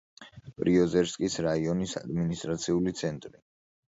პრიოზერსკის რაიონის ადმინისტრაციული ცენტრი.